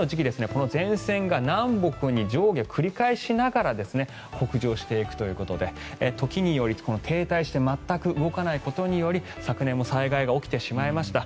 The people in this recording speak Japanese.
この前線が南北に上下、繰り返しながら北上していくということで時により、停滞して全く動かないことにより昨年も災害が起きてしまいました。